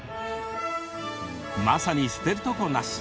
まさに、捨てるところなし！